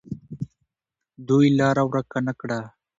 دوی لاره ورکه نه کړه.